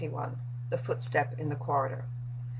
THE FOOTSTEP IN THE CORRIDOR.